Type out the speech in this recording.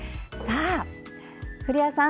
古谷さん